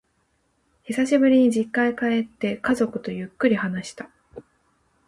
久しぶりに実家へ帰って、家族とゆっくり話した。